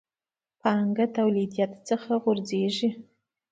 پانګه توليديت څخه غورځېږي.